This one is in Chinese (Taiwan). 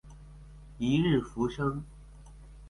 一日浮生